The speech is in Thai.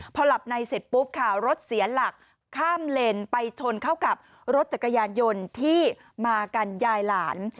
พอหลับในเสร็จปุ๊บค่ะรถเสียหลักข้ามเลนไปชนเข้ากับรถจักรยานยนต์ที่มากันยายหลาน